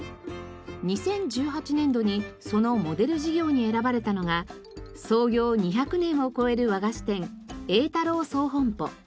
２０１８年度にそのモデル事業に選ばれたのが創業２００年を超える和菓子店榮太樓總本鋪。